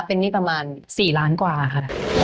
เป็นหนี้ประมาณ๔ล้านกว่าค่ะ